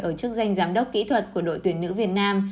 ở chức danh giám đốc kỹ thuật của đội tuyển nữ việt nam